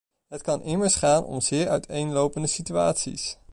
Het kan immers gaan om zeer uiteenlopende situaties.